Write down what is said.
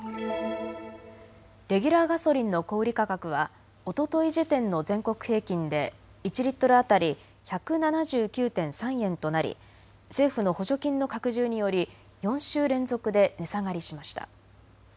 レギュラーガソリンの小売価格はおととい時点の全国平均で１リットル当たり１７９．３円となり政府の補助金の拡充により４週連続で値下がりしました。